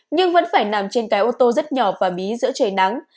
nhưng vẫn phải nằm trên cái ô tô rất nhỏ và bí giữa trời nắng